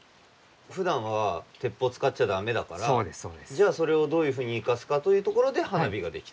ふだんは鉄砲を使っちゃダメだからじゃあそれをどういうふうに生かすかというところで花火が出来た。